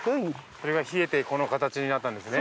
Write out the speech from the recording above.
それが冷えてこの形になったんですね。